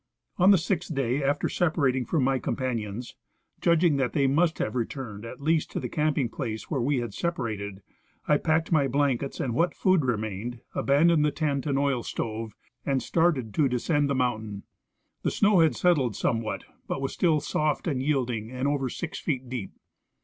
On the sixth day after seiDarating from my companions, judg ing that they must have returned at least to the camping place where we had separated, I packed my blankets and what food remained, abandoned the tent and oil stove, and started to de scend the mountain. The snow had settled somewhat, but was still soft and yielding and over six feet deep.